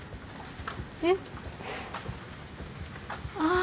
えっ？ああ。